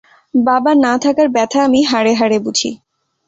বাবা না থাকার ব্যাথা আমি হাড়ে হাড়ে বুঝি।